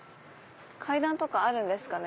階段とかあるんですかね？